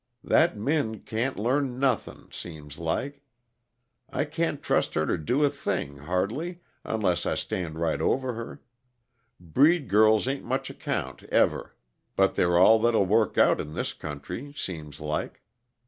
That Min can't learn nothing, seems like. I can't trust her to do a thing, hardly, unless I stand right over her. Breed girls ain't much account ever; but they're all that'll work out, in this country, seems like.